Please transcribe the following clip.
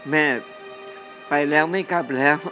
แม่ไปแล้วไม่กลับแล้ว